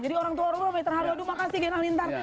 jadi orang tua orang tuh minta hari hari makasih gen halilintar